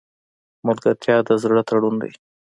ملګرتیا د زړه تړون دی.